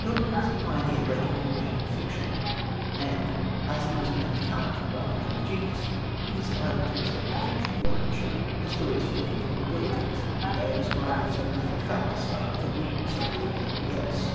Godwin was a pioneer breaking new ground in fiction; and, as he was a man of talent rather than of genius, it is idle to expect perfection of workmanship. The story is full of improbabilities, but they are described in so matter of fact a style that we "soberly acquiesce."